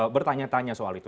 bertanya tanya soal itu